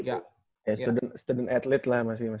ya student athlete lah masih lu